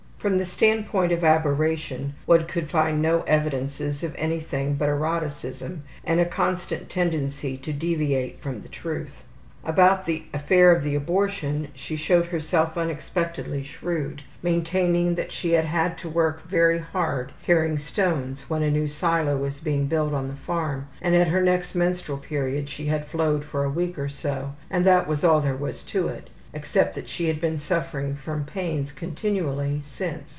From the standpoint of aberration one could find no evidences of anything but eroticism and a constant tendency to deviate from the truth. About the affair of the abortion she showed herself unexpectedly shrewd, maintaining that she had had to work very hard carrying stones when a new silo was being built on the farm, and at her next menstrual period she had flowed for a week or so, and that was all there was to it, except that she had been suffering from pains continually since.